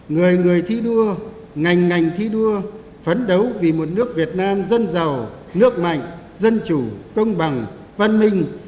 người người thi đua ngành ngành ngành thi đua phấn đấu vì một nước việt nam dân giàu nước mạnh dân chủ công bằng văn minh